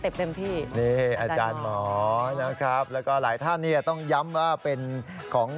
เต็มที่นี่อาจารย์หมอนะครับแล้วก็หลายท่านเนี่ยต้องย้ำว่าเป็นของ